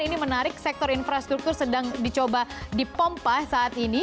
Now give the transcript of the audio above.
ini menarik sektor infrastruktur sedang dicoba dipompa saat ini